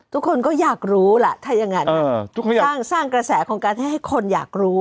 ทุกคนก็อยากรู้ล่ะถ้ายังงั้นเออทุกคนสร้างสร้างกระแสของการให้คนอยากรู้